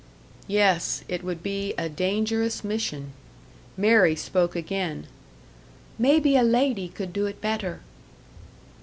Yes, it would be a dangerous mission. Mary spoke again. "Maybe a lady could do it better."